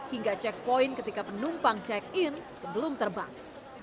hingga checkpoint ketika penumpang check in sebelum terbang